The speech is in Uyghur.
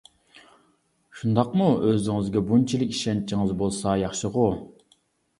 شۇنداقمۇ، ئۆزىڭىزگە بۇنچىلىك ئىشەنچىڭىز بولسا ياخشىغۇ؟ !